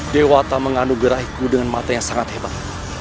dewa tak mengandung gerahiku dengan mata yang sangat hebat